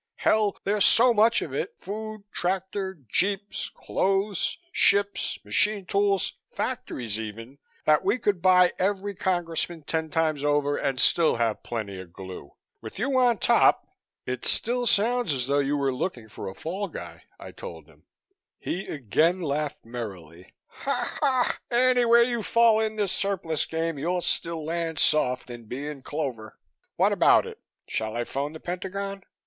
Hell! there's so much of it food, tractors, jeeps, clothes, ships, machine tools, factories even that we could buy every Congressman ten times over and still have plenty of glue. With you on top " "It still sounds as though you were looking for a fall guy," I told him. He again laughed merrily. "Anywhere you fall in this surplus game you'd still land soft and be in clover. What about it? Shall I phone the Pentagon?"